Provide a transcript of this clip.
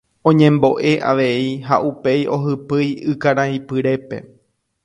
Oñemboʼe avei ha upéi ohypýi ykaraipyrépe.